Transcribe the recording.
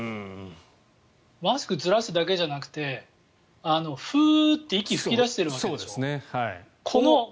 マスクをずらすだけじゃなくてふーって息を吹き出しているわけでしょ。